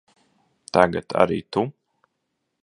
Tagad arī tu?